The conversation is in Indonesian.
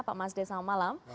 pak mas des selamat malam